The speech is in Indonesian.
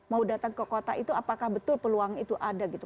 maka betul peluang itu ada gitu